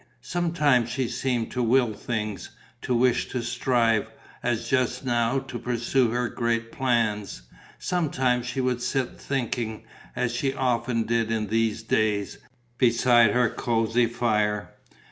Sometimes she seemed to will things, to wish to strive, as just now, to pursue her great plans. Sometimes she would sit thinking, as she often did in these days, beside her cosy fire.